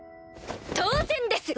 当然です！